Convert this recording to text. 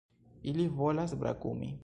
Ili volas brakumi!